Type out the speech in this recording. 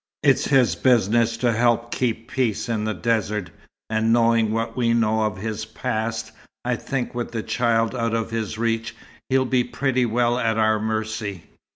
It's his business to help keep peace in the desert, and knowing what we know of his past, I think with the child out of his reach he'll be pretty well at our mercy."